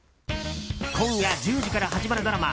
今夜１０時から始まるドラマ